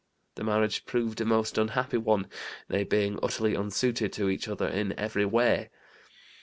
The marriage proved a most unhappy one, they being utterly unsuited to each other in every way.